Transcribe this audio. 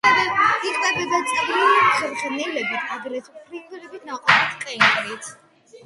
იკვებება წვრილი მღრღნელებით, აგრეთვე ფრინველებით, ნაყოფით, კენკრით.